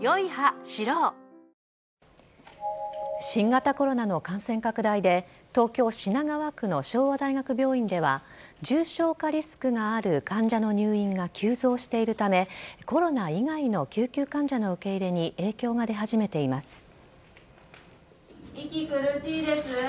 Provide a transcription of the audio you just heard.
新型コロナの感染拡大で東京・品川区の昭和大学病院では重症化リスクがある患者の入院が急増しているためコロナ以外の救急患者の受け入れに影響が出始めています。